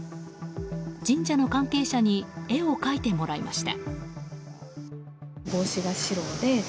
神社の関係者に絵を描いてもらいました。